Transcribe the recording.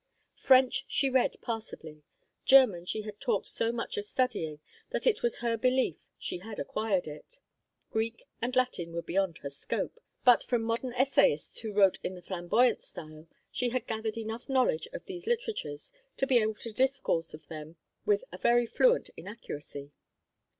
French she read passably; German she had talked so much of studying that it was her belief she had acquired it; Greek and Latin were beyond her scope, but from modern essayists who wrote in the flamboyant style she had gathered enough knowledge of these literatures to be able to discourse of them with a very fluent inaccuracy.